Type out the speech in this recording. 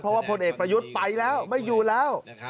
เพราะว่าพลเอกประยุทธ์ไปแล้วไม่อยู่แล้ว